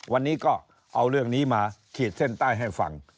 วันนี้ก็เอาเรื่องนี้มาขีดเส้นใต้ให้ฟัง